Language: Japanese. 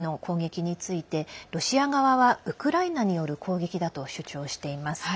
２４日のモスクワへの無人機の攻撃についてロシア側はウクライナによる攻撃だと主張しています。